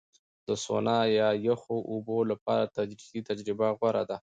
د سونا یا یخو اوبو لپاره تدریجي تجربه غوره ده.